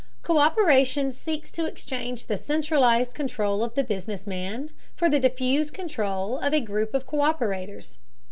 Co÷peration seeks to exchange the centralized control of the business man for the diffuse control of a group of co÷perators.